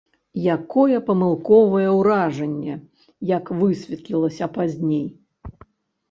Якое памылковае ўражанне, як высветлілася пазней!